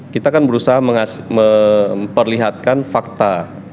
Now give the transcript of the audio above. kita kan berusaha memperlihatkan fakta